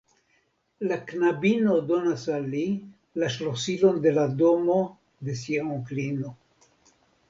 La knabino donas al li la ŝlosilon de la domo de sia onklino.